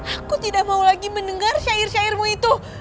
aku tidak mau lagi mendengar syair syairmu itu